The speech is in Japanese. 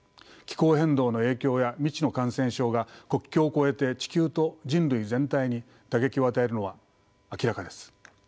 気候変動の影響や未知の感染症が国境を越えて地球と人類全体に打撃を与えるのは明らかです。